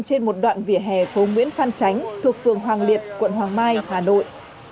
trên một đoạn vỉa hè phố nguyễn phan tránh thuộc phường hoàng liệt quận hoàng mai hà nội